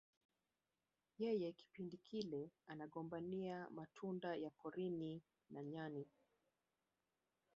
Yeye kipindi kile anagombania matunda ya porini na nyani